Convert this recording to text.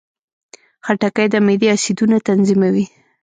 خټکی د معدې اسیدونه تنظیموي.